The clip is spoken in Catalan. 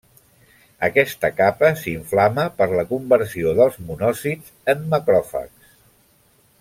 Aquesta capa s'inflama per la conversió dels monòcits en macròfags.